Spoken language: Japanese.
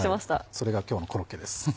それが今日のコロッケです。